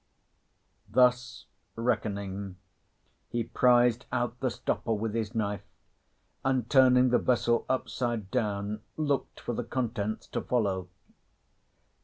] Thus reckoning, he prised out the stopper with his knife, and turning the vessel upside down looked for the contents to follow.